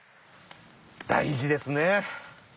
大事ですね。